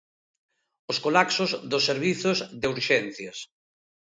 Os "colapsos" dos servizos de urxencias.